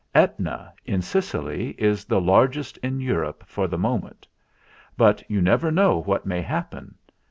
"Etna, at Sicily, is the larg est in Europe for the moment. But you never know what may happen.